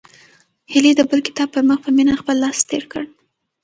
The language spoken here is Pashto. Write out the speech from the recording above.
هیلې د بل کتاب پر مخ په مینه خپل لاس تېر کړ.